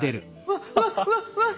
わっわっわっわっ！